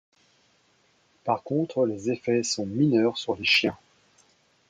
Par contre les effets sont mineurs sur les chiens.